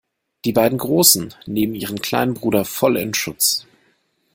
Die beiden Großen nehmen ihren kleinen Bruder voll in Schutz.